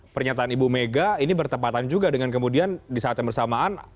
pernyataan ibu mega ini bertempatan juga dengan kemudian di saat yang bersamaan